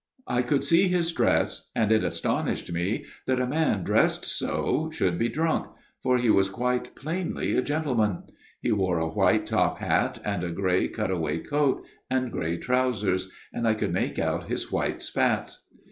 " I could see his dress ; and it astonished me that a man dressed so should be drunk ; for he was quite plainly a gentleman. He wore a white top hat, and a grey cut away coat, and grey trousers, and I could make out his white spats.